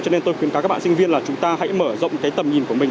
cho nên tôi khuyến cáo các bạn sinh viên là chúng ta hãy mở rộng cái tầm nhìn của mình